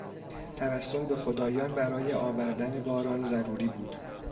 توسل به خدایان برای آوردن باران ضروری بود.